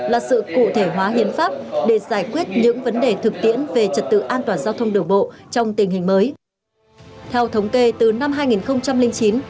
là sự cụ thể hóa hiến pháp để giải quyết những vấn đề thực tiễn về trật tự an toàn giao thông đường bộ trong tình hình mới